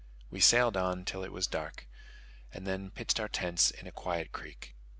We sailed on till it was dark, and then pitched our tents in a quiet creek.